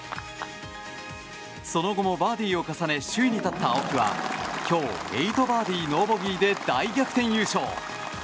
その後もバーディーを重ね首位に立った青木は今日８バーディー、ノーボギーで大逆転優勝。